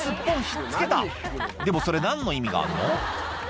ひっつけたでもそれ何の意味があるの？